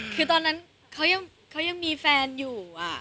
คือตอนนั้นเขายังมีแฟนอยู่